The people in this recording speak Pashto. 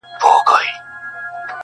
o محبت په چیغو وایې قاسم یاره,